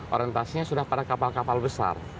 orientasinya sudah pada kapal kapal besar